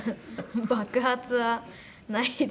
爆発はないです。